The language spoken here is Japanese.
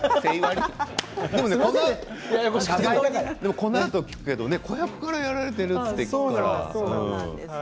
でもこのあと聞くけど子役からやられているんですよね。